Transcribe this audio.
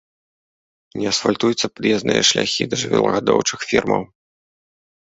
Не асфальтуюцца пад'язныя шляхі да жывёлагадоўчых фермаў.